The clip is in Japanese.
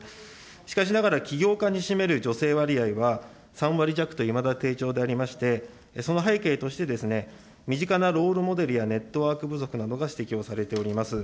しかしながら、起業家に占める女性割合は、３割弱といまだ低調でありまして、ありまして、その背景として身近なロールモデルやネットワーク不足などが指摘をされております。